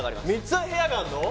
３つ部屋があるの？